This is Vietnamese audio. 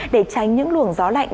để tránh những luồng gió lạnh